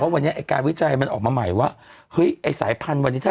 มันจะอย่างไรรึเปล่า